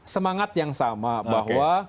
semangat yang sama bahwa